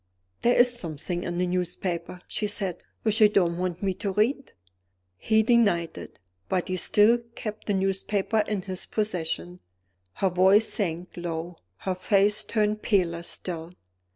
"There is something in the newspaper," she said, "which you don't want me to read." He denied it but he still kept the newspaper in his own possession. Her voice sank low; her face turned paler still.